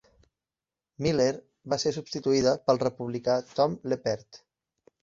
Miller va ser substituïda pel republicà Tom Leppert.